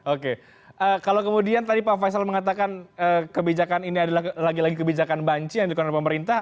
oke kalau kemudian tadi pak faisal mengatakan kebijakan ini adalah lagi lagi kebijakan banci yang dikeluarkan oleh pemerintah